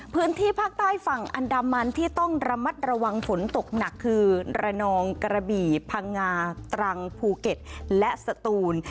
พื้นที่ภาคใต้ฝั่งอันดามันที่ต้องระมัดระวังฝนตกหนักคือระนองกระบี่พังงาตรังภูเก็ตและสตูน